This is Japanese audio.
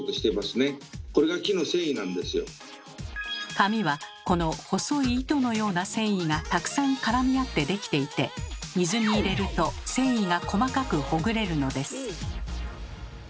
紙はこの細い糸のような繊維がたくさん絡み合ってできていて水に入れると繊維が細かくほぐれるのです。